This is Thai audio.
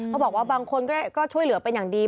เขาบอกว่าบางคนก็ช่วยเหลือเป็นอย่างดี